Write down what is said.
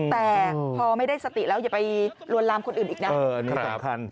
แต่พอไม่ได้สติแล้วอย่าไปลวนลามคนอื่นอีกนะ